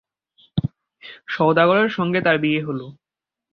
সওদাগরের সঙ্গে তার বিয়ে হল।